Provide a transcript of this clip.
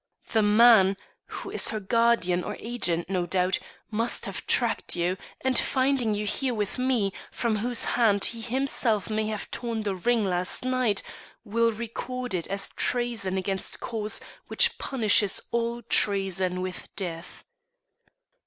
The man, who is her guardian or agent, no doubt, must have tracked you, and finding you here with me, from whose hand he himself may have torn the ring last night, will record it as treason against a cause which punishes all treason with death.